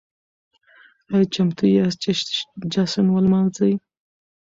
ايا چمتو ياست چې جشن ولمانځئ؟